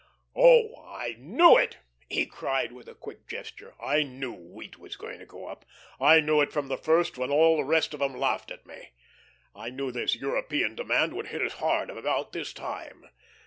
Oh, I knew it," he cried, with a quick gesture; "I knew wheat was going to go up. I knew it from the first, when all the rest of em laughed at me. I knew this European demand would hit us hard about this time.